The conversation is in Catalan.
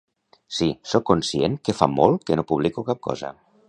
Sí, soc conscient que fa molt que no publico cap cosa.